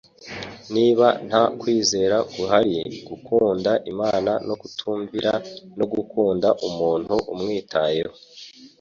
niba nta kwizera guhari. Gukunda Imana no kutumvira no gukunda umuntu umwitayeho,